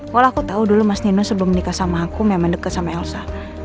walau aku tau dulu mas nino sebelum menikah sama aku memang deket sama elsa